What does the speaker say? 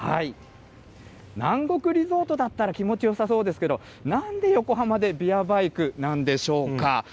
南国リゾートだったら気持ちよさそうですけれども、なんで横浜でビアバイクなんでしょうか。